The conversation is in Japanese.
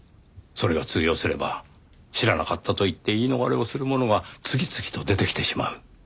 それが通用すれば知らなかったと言って言い逃れをする者が次々と出てきてしまう。